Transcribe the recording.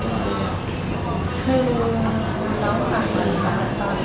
ของมันคิดขึ้น